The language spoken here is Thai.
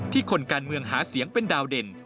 คนการเมืองหาเสียงเป็นดาวเด่น